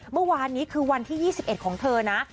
เมื่อวานนี้คือวันที่๒๑ของเธอนะ